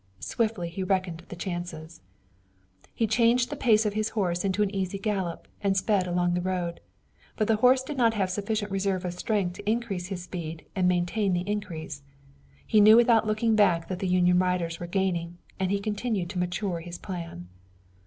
Swiftly he reckoned the chances. He changed the pace of his horse into an easy gallop and sped along the road. But the horse did not have sufficient reserve of strength to increase his speed and maintain the increase. He knew without looking back that the Union riders were gaining, and he continued to mature his plan.